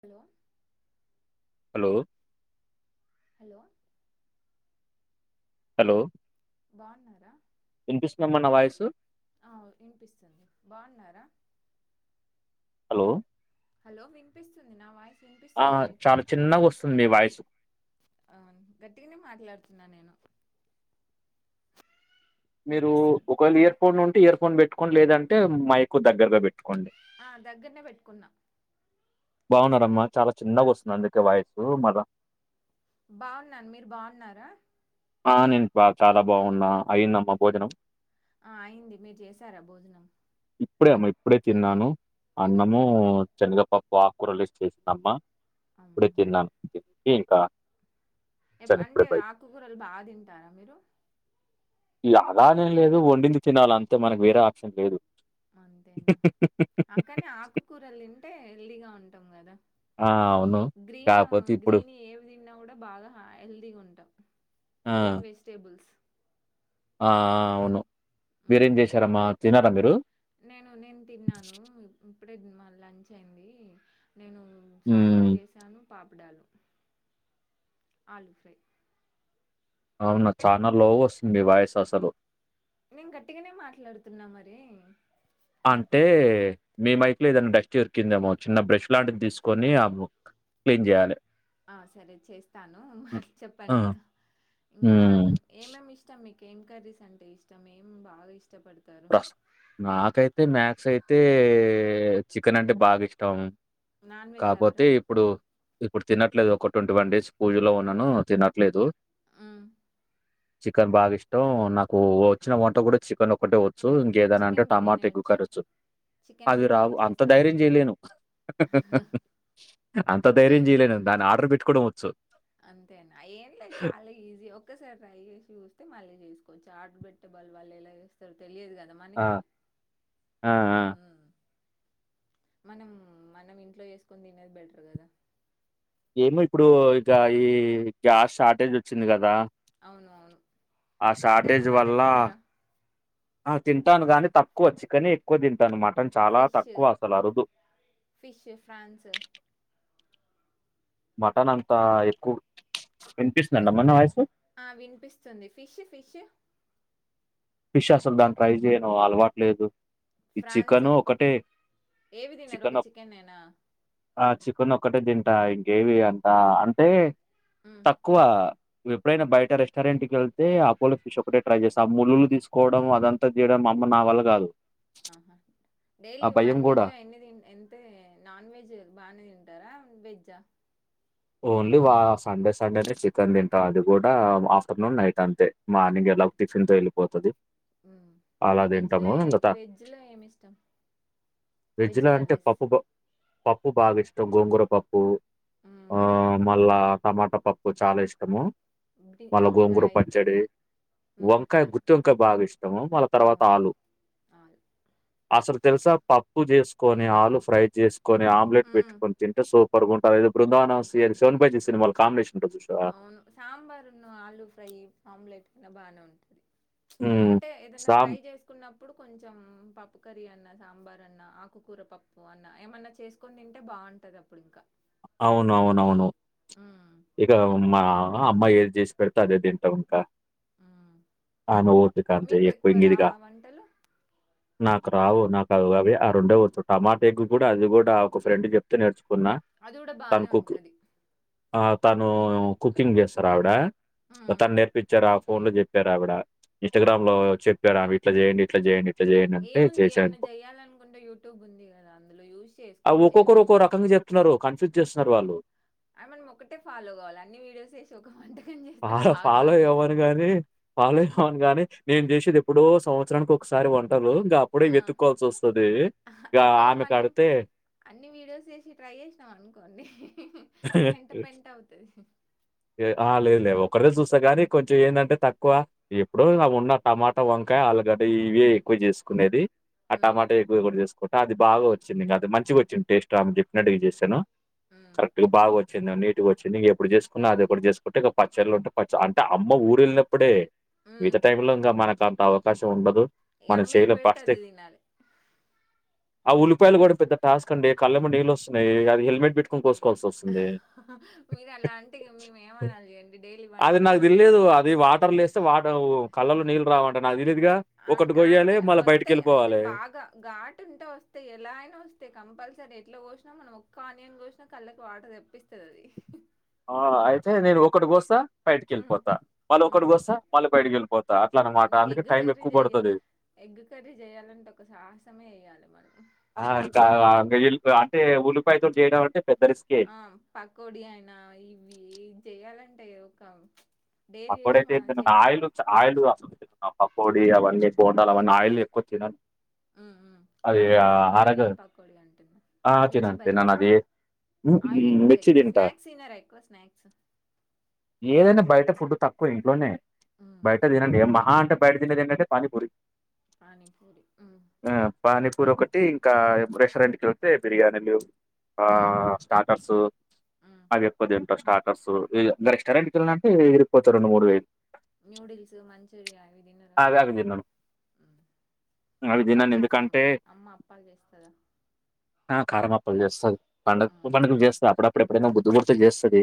Hello hello hello hello బాగున్నారా వినిపిస్తుందమ్మా నా వాయిసు ఆ వినిపిస్తుంది బాగున్నారా హలో హలో వినిపిస్తుంది నా వాయిస్ ఆ చాలా చిన్నగా వస్తుంది మీ వాయిస్ అవున గట్టిగానే మాట్లాడుతున్నా నేను మీరు వినిపిస్తుంది ఒకవేళ ఇయర్ ఫోన్ ఉంటే ఇయర్ ఫోన్ పెట్టుకోండి లేదంటే మైకు దగ్గరగా పెట్టుకోండి ఆ దగ్గరనే పెట్టుకున్నా బాగున్నమ్మా చాలా చిన్నగా ఆ వస్తుంది అందుకే వాయిస్ మర బాగున్నాను మీరు బాగున్నారా ఆ నేను బా చాలా బాగున్నా అయిందమ్మ భోజనం ఆ అయింది మీరు చేసారా భోజనం ఇప్పుడే అమ్మ ఇప్పుడే తిన్నాను అన్నము ఇప్పుడు శనగపప్పు ఆకూరలు వేసి చేసిందమ్మా ఇప్పుడె ఆహా తిన్నాం ఇంకా ఎ వచ్చాను ఇప్పుడే అంటే బయట ఆకుకూరలు బాగ తింటారా మీరు అలానేం లేదు వండింది తినాల అంతే మనకు వేరే ఆప్షన్ లేదు అంతేనా అక్కని ఆకుకూరలు తింటే హెల్దీగా ఉంటాం కదా ఆ అవును కాపోతే ఇప్పుడు తిన్న కూడ బాగ హెల్దీగా ఉంటాం గ్రీన్ వెజిటేబుల్స్ అ ఆ అవును మీరేం చేసారమ్మా తినరా మీరు నేను నేను తిన్నాను ఇప్పుడే లంచ్ అయింది నేను సాంబార్ హ్మ్. చేశాను పాపడాలు ఆలు ఫ్రై అవును చాలా లో వస్తుంది వాయ్సు అసలు నేను గట్టిగానే మాట్లాడుతున్నా మరి అంటే మీ మైక్ లో ఏదైనా డస్ట్ ఎరికిందేమో చిన్న బ్రష్ లాంటిది తీసుకొని ఆ క్లీన్ చేయాలె ఆ సరే చేస్తాను మ ఆ! చెప్పండి ఇకా ఇంకా హ్మ్. ఏమేమి ఇష్టం మీకు ఇంకేమ్ కర్రీస్ అంటే ఇష్టం ఏం బాగ ఇష్టం ప్రస్ నాకైతే మ్యాథ్స్ అయితే చికెన్ అంటే బాగిష్టం నాన్ వెజ్ కాపోతే లవరా ఇప్పుడు ఇప్పుడు తినట్లేదు ఒక ట్వంటీ వన్ డేస్ పూజలో ఉన్నాను తినట్లేదు చికెన్ బాగ ఇష్టం నాకు వచ్చిన వంట కూడ చికెన్ ఒకటే వ చ్చు ఇంకేదన అంటే చికెన్ టమాట బిర్యానీ ఎక్కువ వచ్చా వచ్చు చికెన్ అది రావు బిర్యానీ అంత చేస్తారా ధైర్యం చేయలేను అంత ధైర్యం చేయలేను దాన్ని ఆర్డర్ పెట్టుకోవడం వచ్చు అంతేన అ ఏం లేదు చాలా ఈజీ ఒక్కసారి ట్రై చేసి చూస్తే మళ్ళీ చేస్త కొంచెం ఆ ట్బెట్టే బల్ వాళ్ళు ఎలా చేేస్తారు తెలియదు కానీ ఆ! మనకి ఆ! ఆ! మ్ మనం మనం ఇంట్లో వేసుకొని తినేది బెటర్ కదా ఏమో ఇప్పుడు ఇక ఈ గ్యాస్ షార్టేజ్ వచ్చింది కదా అవును అవును మటన్ మటన్ తిన్నార హ తింటాను కాగానీ తక్కువ చికనే ఎక్కువ తింటానునమాట మటన్ చాలా ఫిష్ తక్కువ అసలు అరుదు ఫిష్, ఫ్రాన్స్ మటన్ అంతా ఎక్కు వ్ ఫి ఆ విన్పిస్తుంది ఫిష్ ఫిష్ ఫిష్ అసలు దాన్ని ట్రై చేయను అల్వాటులేదు ఫ్రాన్స్ ఏవి ధినరు ఒక చికెన్ ఏనా ఆ చికెన్ ఒక్కటే తింటా ఇంకేవి అంత అంటే హ్మ్. తక్కువ ఎప్పుడైనా బయట రెస్టారెంట్ కెళ్తే అపోలో ఫిష్ ఒకటే ట్రై చేస్తా ఆ ముల్లులు తీ స్కోవడం అదంతా చేయడం మ అమ్మ నా వల్ల కాదు ఆహా డైలీ ఆ భయం వన్ వీక్ కూడా లో ఎన్నిది ఎంతే నాన్ వెజ్ బానే తింటారా వేజ్జా ఓన్లీ వా సండే సండేనే చికెన్ తింటా అది కూడా ఆఫ్టర్నూన్ నైట్ అంతే మార్నింగ్ ఎలా టిఫిన్తో వెళ్ళిపోతది అలా వెజ్ లే తింటాము ఇంకా వెజ్ లో ఏమి ఇష్టం వెజ్ లో అంటే పప్పు ప పప్పు బాగా ఇష్టం గోంగూర పప్పు హ్మ్. ఆ మళ్ళా టమాట పప్పు చాల ఇష్టము బి మళ్ళ గోంగుర వంకాయ్. పచ్చడి హ్మ్. వంకాయ అన్ గుత్తి వంకాయ బాగ ఇష్టము వాళ్ళ తర్వాత అవును. ఆలు ఆలు అసలు తెలుస పప్పు చేసుకొని ఆలు ఫ్రై చేసుకొని ఆమ్లెట్ హ్మ్. పెట్టుకొని తింటే సోప్ ప్పర్ గుంటది బృందవనంవన్ బైజీ సినిమాలు కాంబినేషన్ ఉంటది చూసావా? అవును సాంబార్ను ఆలు ఫ్రై ఆమ్లెట్ కన్నా బానే ఉంటది హ్మ్. అంటే ఏదన్నా ఫ్రై సామ్ చేసుకున్న ఇప్పుడు కొంచెం పప్పు కర్రీ అన్నా సాంబార్ అన్నా ఆకుకూర పప్పు అన్నా ఏమన్నా చేసుకని తింటే బ అగుంటది అప్పుడు ఇంకా అవును అవునవును ఇకమా అమ్మాయి ఏది చేసి పెడితే తింట ఇంకా హ్మ్. ఆమె ఓపిక అంతే మీకు ఎక్కువ రావా వంటలు? [unintelligible] రావు నాకు అ అవి ఆ రెండే పోచ్చు టమాట ఎగ్ కూడా అది కూడా ఒక ఫ్రెండ్ చెప్తే నేర్చు కున్నా అది గూడా బానే ఉంటది ఆ తను కుకింగ్ చేస్తారు ఆవిడ హ్మ్. తను నేర్పించార ఫోన్ లో చెప్పారుా ఆవిడ హ్మ్. ఇన్స్టాగ్రామ్ లో చెప్పారు ఇట్లా చేయండి ఇట్లా చేయండి ఏముంది ఏమైన్నా చెయ్యాలనుకుంటే యూట్యూబ్ ఉంది కదా అందులో యూజ్ ఆ చేసుకోవచ్చు ఒక్కొక్కరు ఒక్కో ఏవైనా రకంగా చెప్తున్నారు కన్ఫ్యూజ్ చేస్తున్నారు వాళ్ళు అ మనం ఒక్కటే ఫాలో కావాల అన్ని వీడియోస్ వేసి ఒక వంటకం చేస్తే ఫాలో బాగా రాదు అవును గాని నేను చేసేది ఎప్పుడో సంవత్సరానికి ఒకసారి వంటలు ఇంకా అప్పుడే ఆ, వెతుక్కవాల్సి వస్తది ఎక్కువ ఆమెకి మనం అడిగితే కోండి పెంట పెంట అవుతుది లేదు లే ఒకరే చూస్తా గానీ కొంచెం ఏంటంటే తక్కువ ఇప్పుడువు ఉన్న టమాటా వంకాయ అల్లుగడ్డ ఇవే ఎక్కువ చేసుకునేది ఆ ఉమ్, టమాటా ఎక్కువ కూడా చేసుకోకుంటా అది బాగా వచ్చిందిక అది మంచిగా వచ్చింది టేస్ట్ ఆమె చెప్పినట్టుగా చేశాను ఉమ్, కరెక్ట్గ బాగ వచ్చ నీటికి వచ్చిందిక ఎప్పుడు చేసుకున్నా అది ఒకటి చేసుకుంటే ఇ పచ్చెళ్లు ఉంటే పచ్చ అంటే అమ్మ ఊరి ఎల్లినప్పుడే ఉమ్. మిగతా టైమ్ లో ఇంకా మనకు అంత అవకాశం ఉండదు మనం అమ్మ ఏది చేయలేం పెడితే ఫస్ట్ అదే తినాలి ఆ ఉల్లిపాయలు కూడా పెద్ద టాస్క్ అండి కళ్ళం నీలు వస్తున్నాయి అది హెల్మెట్ పెట్టుకొని కోసుకోవాల్సి వస్తుంది మీరు అలా అంటే ఇక మేము ఏమనాలి అండి డైలీ వంట అది నాకు తెలిలేదు చేసి అది వాటర్ లేస్తే వాటర్ కళ్లలో నీళ్లు రావంట [unintelligible] అ ఒకటి కొయ్యాలి అంటే మళ్ళీ బయటికి వస్తాయి అంటే వెళ్ళిపోవాలి బాగా ఘాటు ఉంటే వస్తాయి ఎలా అయినా వస్తాయి కంపల్ సరి ఎట్లా కోసినా మనం ఒక్క ఆనియన్ కోసినా కళ్ళకి వాటర్ తెప్పిస్తుంది అది ఆ ఆయితే నేను ఒక్కటి కోస్త బయటికి హ్మ్. వెళ్ళిపోతా మళ్ల ఒకటి హ్మ్. కోస్త మల్ల బయటకి వెళ్ళిపోతా అట్లా అనమాట ఇంక అందుకే ఎగ్ టైం కర్రీ ఎక్కువ చెయ్య పడుతుంది ఎగ్ కర్రీ చేయాలంటే ఒక సాహసమే చేయాలి మనం అంటే ఉల్లిపాయతో చేయడం అంటే పెద్ద రిస్కే. ఆ పకోడి అయినా ఇవి చెయాలంటే ఒక డైరీ చేసి మనం [unintelligible] చేయడం. ఆయిలు ఆయిలు ఆ పకోడి అవన్నీ బొండాలు అవన్నీ ఆయిల్ ఎక్కువ తినండి హ్మ్. హ్మ్. అదే ఆనియన్స్ అరగ ఆనియన్ పకోడి అంటున్నా. మిర్చి ఆతినన్ బజ్ తినన్ ఆది ఆయిల్ ఫుడ్స్ ఎక్కువ స్నాక్స్ తినారా ఎక్కువ స్నాక్స్ ఏదన్న బై ఫుడ్ తక్కువ ఇంట్లోనే హ్మ్. బయట తినేది ఏ మహా అంటే బయట తినేది ఏంటంటే పాని పూరి పాణిపూరి హు పానీపూరి ఒకటి ఇంకా రెస్టారెంట్ కి వెళ్తే బిర్యానీలు ఆ హ్మ్. స్టార్టర్స్ మ్మ్ అవి ఎక్కువ తింట స్టా రెస్టారెంట్కి వెళ్లినప్పుడు ఇరిగిపోతారు రెండు మూడు వేలు న్యూడిల్స్ మంచూరియా ఇవి దినర అవి అవి తినను. అవి అప్పాలు తినను చేస్తార ఎందుకంటే అమ్మ అప్పాలు చేస్తద ఆ కారంమప్పలు చేస్తారు పండుగ మ్మ్ పండుగలు చేస్తారు అప్పుడ ఇప్పుడు ఎప్పుడైనా బుద్ధి పుడితే చేస్తది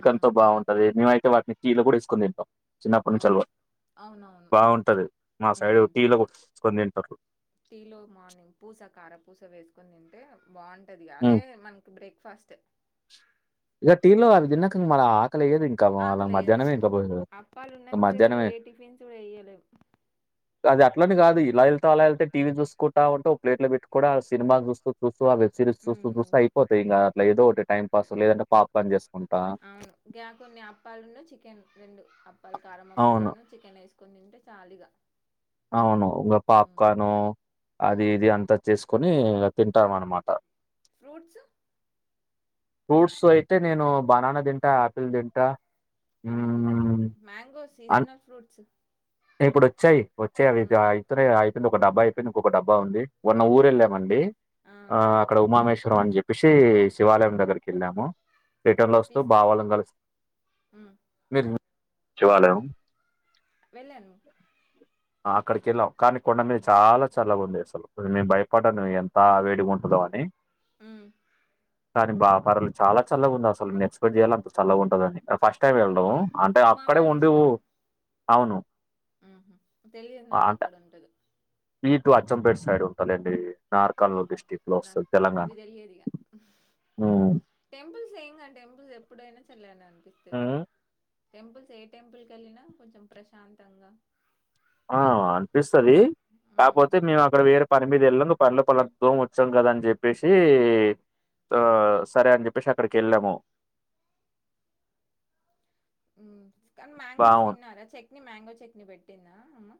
మ్మ్. బాగుంటుది మేమైతే వాటిని టీ లో కూడా వేసుకుని తిన్టం చిన్నప్పటి నుంచి అవును అలా అవునవును బాగుంటది మా సైడ్ మ్మ్ టీలో ముంచుకుని తింటారు టీలో మార్నింగ్ పూస కారపూస వేసుకొని తింటే బాగుంటది అదే హ్మ్. మనకి బ్రేక్ఫాస్ట్ ఇక టీ లో అవి తిన్నాక ఇంక మరి ఆకలేయ్యదు ఇంకా అళ ఆకలి ఎయ్యదు మధ్యాహ్నమే అవును ఇంకా అప్పాలు ఉన్నంతసేపు మధ్యాహ్నమే టిఫిన్స్ కూడా చేయలే అది అట్లని కాదు ఇలా వెళ్తే అలా వెళ్తే టీవీ చూసుకుంటా ఉంటే ప్లేట్ లో పెట్టుకంట సినిమా చూస్తూ చూ సిరీస్ చూస్తూ మ్మ్ చూస్తే అయిపోతయి ఇంకా అట్లా ఏదో ఒకటి టైం పాస్ లేదంటే పాప్ కార్న్ చేసుకుంటూ అవును ఇ కొన్ని అప్పాలున్నా చికెన్ రెండు అప్పాలు కారం అవును. అప్పాలున్న చికెన్ వేస్ కొనీ తింటే చాలిగా అవును ఇంకా పాప్కార్ను అది మ్మ్ ఇది అంతా చేసుకొని అని తింటాం అన్నమాట ఫ్రూట్స్ ఫ్రూట్స్ అయితే నేను బనానా తింటా ఆపిల్ తింటా అన్ని తినారా హ్మ్. మ్యాంగో అన్ సీజనల్ ఫ్రూట్స్ వచ్చే మ్మ్ అవియినే అయిపోయింది ఒక డబ్బా అయిపోయింది ఇంకొక డబ్బా ఉంది మోన్న ఊరు హ్మ్ వెళ్ళామండి ఆ అక్కడ ఉమామేశ్వ అని చెప్పేసి శివాలయం దగ్గరకి వెళ్ళాము థయటర్ లో కొన్ని వస్తూ తీస్ బావళం కలుస్త హ్మ్ మీరు వెళ్ళలేదా వెళ్ళాను అక్కడికి వెళ్ళాం కానీ కొండ మీద చాలా చల్లగా ఉంది అసలు మేము భయపడ్డాను ఎంత వేడిగా ఉంటదో అని హ్మ్ కానీ బా పర్లే చాలా చల్లగా ఉంది అసలు నేను ఎక్స్పెక్ట్ చేయలే అంత చల్లగా ఉంటదని ఫస్ట్ టైం వెళ్ళడం అంటే అక్కడే ఉండి అవును ఆహ తెలియదు నాకు ఇక్కడ ఉంటడో ఈటు అచ్చంపేట సైడ్ ఉంటాలండి ఆర్కల్ ఊహూ డిస్టిక్ లో నాకు వస్తుంది తెలంగాణ టెంపుల్ ఏం కాదు టెపుల్స్ ఎప్పుడైనా చల్లేగానే అనిపి హ్మ్ టెంపుల్స్ ఏ టెంపుల్ కి వెళ్ళినా కొంచెం ప్రశాంతంగా ఆ అనిపిస్తుది హ్మ్ కాకపోతే మేము అక్కడ వేరే పనిమిద వేళ్ళందు పనిలో పనాలోకి వచ్చాం కదా అని చెప్పేసి ఆ హ్మ్ సరే అని చెప్పే సి ఎక్కడికి ఎల్లమూ కానీ మ్యాంగోస్ తిన్నారా చట్నీ మ్యాంగో చట్నీ పెట్టిందా అమ్మ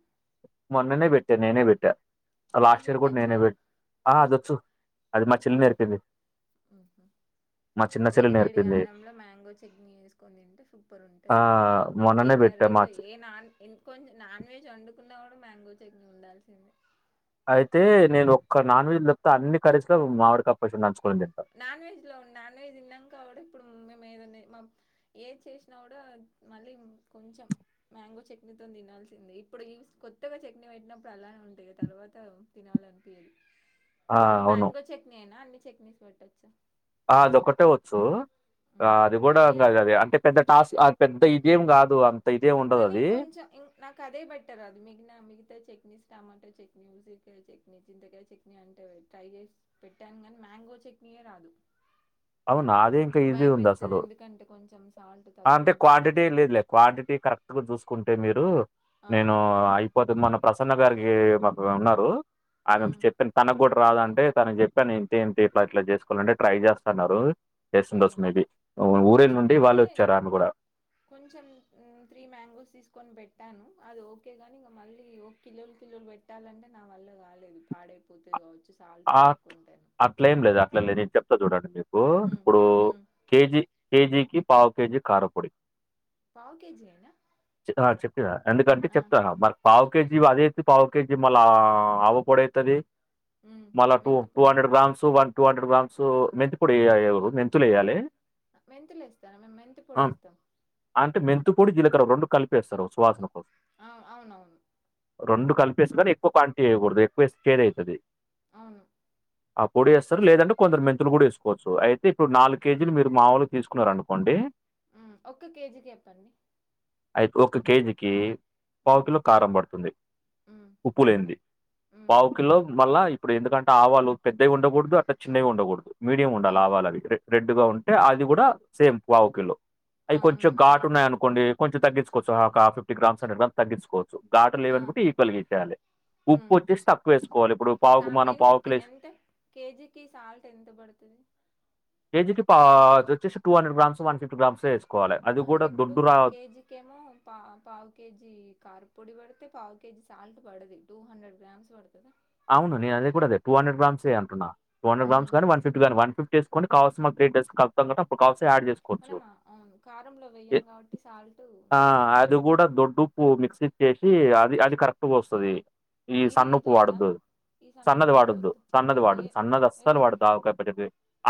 మొన్ననే పెట్టా నేనే పెట్టా మీకు లాస్ట్ ఇయర్ కూడా పెట్టొచ్చా నేనే పెట్ట ఆ అదొచ్చు అది మా చెల్లి నేర్పింది ఆఓహా మా చిన్న చెల్లి వేడి వేడి నేర్పింది అన్నంలో మ్యాంగో చట్నీ వేసుకొని తింటే సూపర్ ఆ ఉంటుంది ఏ మొన్ననే క కర్రీ పెట్టా కూడా మా ఏ నాన్ కొంచెం నాన్ వెజ్ వండుకున్నా కూడా మ్యాంగో చట్నీ ఉండాల్సిందే అయితే నేను ఒక్క నాన్ వెెజ్ ల తప్ప అన్ని కరీస్ లో మామిడికపచ్చడి నంచు కుంటా నాన్ వెెజ్ లో నాన్ వెెజ్ ఉన్నాక కా ఇప్పుడు [unintelligible] ఏది చేసినా కూడా మళ్ళీ కొంచెం మ్యాంగో చట్నీతో తినాల్సిందే ఇప్పుడు ఈ కొత్తగా చట్ని పెట్టినప్పుడు అలానే ఉంటాయి తర్వాత తినాలనిపియదు ఆ! ఒక అవును. మ్యాంగో చట్నీ ఏనా అన్ని చట్నీస్ పెట్టొచ్చ ఆ అదిక్కటే వచ్చు అది కూడా అదే అబ్బో అది అంటే పెద్ద టాస్క్ అది పెద్ద గేమ్ కాదు అంత ఇదేం ఉండదది. కానీంక కొంచెం నాకు అదే బట్టర్ అది మిగితా మిగతా చట్నీస్ టమాటో చట్నీ ఉసిరీకాయ చట్నీ చింతకాయ చట్నీ అంటే ట్రై చేసి పెట్టాను కానీ మ్యాంగో చట్నీ రాదు అవునా అదే ఇంకా ఈసీ భయం ఉంది వేస్తది అసలు ఎందుకంటే కొంచెం సాల్ట్ తక్కువ అంటే ఉంటే పాడే క్వాంటిటీ లేదులే క్వాంటిటీ కరెక్ట్ గా చూసుకుంటే మీరు ఆ నేను అయిపోతు మొన్న ప్రసన్న గారికి మా ఉన్నారు ఆమెకు ఉమ్ చెప్పాను తనకు కూడా రాదంటే తను చెప్పి అని ఇంతేంటి ఇట్లా ఇట్లా చేసుకోవాలంటే ట్రై చేస్తున్నారు కేస ఉమ్ దోస్ మేబి ఊర అయితే కొంచెం త్రీ మ్యాంగోస్ తీసుకొని పెట్ పెట్టాను అది ఓకే గాని ఇంక మళ్ళీ ఒక కిలోలు కిలోలు పెట్టాలంటే నా వల్ల కాలేదు పాడైపోతే కావచ్చు సాల్ట్ ఆ తక్కువ ఉంటేను అట్లే ఏం లేదు అట్లాదు నేను చెప్తా చూడండి మీరు ఉమ్ ఇప్పుడు ఉమ్ కేజీ కేజీకి పావు కేజీ కారపొడి పవ్ కేజీ అనా చె- ఆ ఎందుకంటే చెప్తారా మరి పావు పా కేజీ అదే అతే పావు కేజీ మళ్ళ ఆవ పడవుతుది ఉమ్ మళ్ టూ మెంతి టూ పొడి hundred grams one two hundred grams మెంతు కూడా వయ మెంతులు వయాలి మెంతులు వేస్తానా మేము మెంత పొడిేస్తాం పడి జీలకరం రెడు కలిపేస్తారుువాస కోసం ఆ అవునవును రెండు కలిపేసిగాని ఎక్కువ కవాంటిటీ వయకూడదు ఎక్కువే చేద అవుతుది అవును ఆ పొడి వేస్తారు లేదంటే కొందరు మెంతులు కూడా వేసుకోవచ్చు అయితే ఇప్పుడు నాలుగు కేజీలు మీరు మామూలు తీసుకున్నారు అనుకోండి ఒక్క కేజీకి చెప్పండి అయితు ఒక కేజికి ఉమ్ పావుకిలో కారం పడుతుంది ఉమ్ ఉప్పు లేంది ఉమ్ పావుకిల్లో మళ్ళ ఇప్పుడు ఎందుకంటే ఆవాలు పెద్దగా ఉండకూడదు అట్లా చిన్నవిగా ఉండకూడదు మీడియం ఉండాలి అవును ఆవాాలగే రెడ్ గా ఉంటే అది కూడా సేమ్ పావు కలో ఆ అవి కొంచెం అవును ఆ ఘాటు ఉన్నాయ అనుకోండి కొంచం తగ్చకోవు ఒక ఆ ఫిఫ్టీ గ్రామ్స్ తగ్చుకోచ్చ ఘాలు ఆ లేవనుకుంటే ఈక్వల్ గా ఇచ్చేయాలి ఉప్పు ఉమ్ వచ్చేసి తక్కువ వేసుకోవాలి ఇప్పుడు సా పావుకు మనం పావు ఇంటికి కిలో వేసి- ఎంత కేజీకి సాల్ట్ ఎంత పడుతుంది వచ్చసి two hundred grams one fifty grams వేసుకోవాలి అది అంటే కూడా ఇప్పుడు దొడ్డు రా కేజీకిేమో పా పావు కేజీ కార పొడి పడితే పావు కేజీ సాల్ట్ పడది టూ హండ్రెడ్ గ్రామ్స్ పడుతుందిా అవును నే అది కూడాద టూ హండ్రె గ్రామ్స్ే అంటన్నా టూ హ్రెడ్ గ్రామ్స్ ఉమ్ కానీ వన్ ఫిఫటీ ని వన్ ఫిఫ్టీ చేసుకోని కావాల్సిన గ్రేెస్తండువస మనమా అవు కారంలో ఎ వెయ్యం కాబట్టి సాల్ట్ ఉప్పు మిక్సీచ్చ చేసి అది అది కరెక్ట్గా వస్తుది ఈ ఇది సన్న ఇది ఉప్పు వద్దా వాడదు ఈ సన్నది సన్నపు ఉప్పు వాడద్దు వద్దు సన్నది వాడదు ఏ సన్నది అస్సలు ఎందుకు వాడదు ఆకాయ ప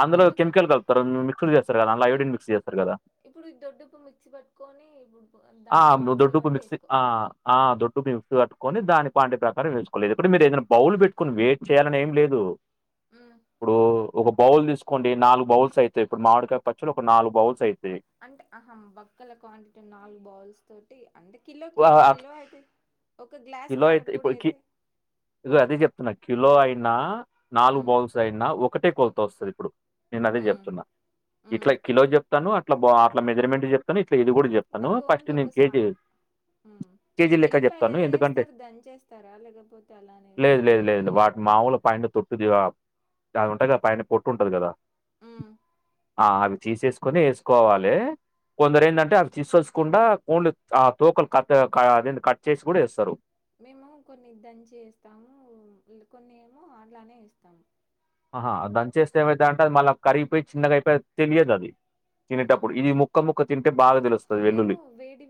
అందులో ఎందుకు కెమికల్ కలుపుతారు మిక్స్ చేస్తారు కద అలా హైోడిన్ మిస్ చేస్తారు కదా ఇప్పుడు ఈ దొడ్డుప్పు మిక్సీ పట్టుకొని ఇప్పుడు దాని క్వాంటిటీ బట్టి వేసుకో [unintelligible] కట్టుకొని దాని పాండే ప్రకారం వేసుుకోలేదు ఇప్పుడు మీరు ఏదైనా బౌల్ పెట్టుకుని వెయిట్ చేయాలని ఏం లేదు మ్మ్. ఇప్పుడు ఒక బౌల్ తీసుకోండి నాలుగు బౌల్స్ అయితాయి ఇప్పుడు మామిడికాయ పచ్చలు ఒక నాలుగు బౌల్స్ అయితాయి అంటే అహం బక్కల క్వాంటిటీ నాలుగు బౌల్స్ తోటి అంటే వా కిలోకి కిలో అయితే ఒక గ్లాస్ కిలో కారపొడి ఇప్పుడు కి అయితే ఇదిగో అదే చెప్తున్నా కిలో అయినా నాలుగు మ్మ్, బౌల్స్ అయినా ఒకటే కొల్త వస్తుంది ఇప్పుడు నేను అదే మ్మ్, చెప్తున్నా మ్మ్. ఇట్లా కిలో చెప్తాను అట్లా అట్లా మెజర్మెంట్ చెప్తాను అ ఇది కూడా చెప్తాను నాకు ఫస్ట్ ఓన్లీ ఒక నేను కే సా మ్మ్. చేయచ్చదు కేజీ లెక్క ఎల్లిపాయలు చెప్తాను ఎలా ఎందుకంటే చేస్తారు దంచేస్తారా లేకపోతే అలానే లేదు వేస్తారా లేదు లేదు వాటి మామూలు పం తొట్టుదిగా అది ఉంటా కదా పైన పొట్టు ఉంటది కదా అ ఆ అవి తీసేసుకొని వేసుకోవాలి కొందరు ఏంటంటే అవి తీసుచ్చకుండా కోళ్లు ఆ తోకలు కట్ అద కట్ చేసి కూడా ఇేస్తారు మేము కొన్ని దంచి వేస్తాము కొన్ని ఏమో అట్లానే వేస్తాము ఆహా అ దని చేస్తే ఏమవుత అంటేది మళ్ళా కరిగిపోయి చిన్నగా అయిపోయి తెలియదు అది మ్మ్. తినేటప్పుడు ఇది ముక్క ముక్క తింటే బాగా తెలుస్తుంది మీరు వెల్లుల్లి వేడి